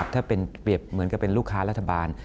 ถ้าเป็นเปรียบเหมือนกับเป็นลูกค้ารัฐบาล